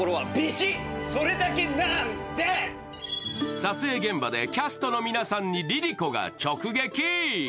撮影現場でキャストの皆さんにＬｉＬｉＣｏが直撃。